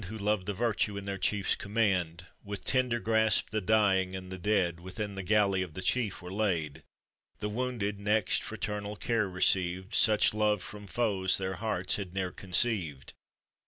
Who loved the virtue in their chiefs com mand ; With tender grasp the dying and the dead Within the galley of the chief were laid, The wounded next fraternal care received — Such love from foes their hearts had ne'er conceived.